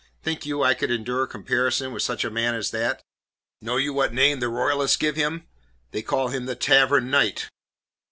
Think you I could endure comparison with such a man as that? Know you what name the Royalists give him? They call him the Tavern Knight."